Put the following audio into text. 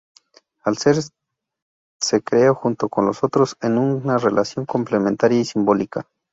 El ser se crea junto con los otros en una relación complementaria y simbólica.